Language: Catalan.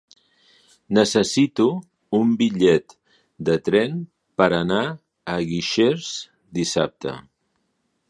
Necessito un bitllet de tren per anar a Guixers dissabte.